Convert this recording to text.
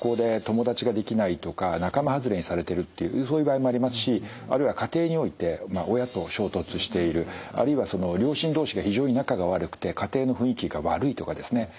とか仲間外れにされてるっていうそういう場合もありますしあるいは家庭において親と衝突しているあるいは両親同士が非常に仲が悪くて家庭の雰囲気が悪いとかですね。